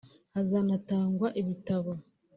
Hazanatangwa ibitabo